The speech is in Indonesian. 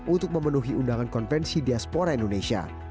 untuk memenuhi undangan konvensi diaspora indonesia